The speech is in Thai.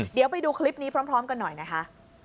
เดี๋ยวไปดูคลิปนี้พร้อมกันหน่อยนะคะ